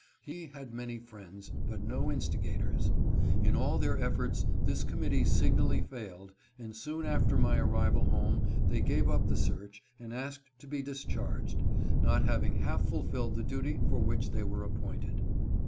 He had many friends, but no instigators. In all their efforts this com mittee signally failed, and soon after my arrival home they gave up the search and asked to be discharged, not having half fulfilled the duty for which they were ap pointed.